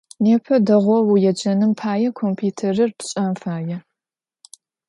Nêpe değou vuêcenım paê, kompütêrır pş'en faê.